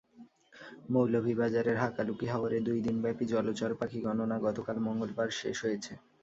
মৌলভীবাজারের হাকালুকি হাওরে দুই দিনব্যাপী জলচর পাখি গণনা গতকাল মঙ্গলবার শেষ হয়েছে।